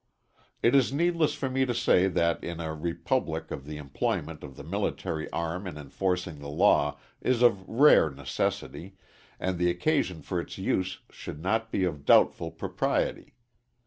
It is needless for me to say that in a republic the employment of the military arm in enforcing the law is of rare necessity, and the occasion for its use should not be of doubtful propriety.